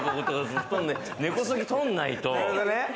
根こそぎ取らないと。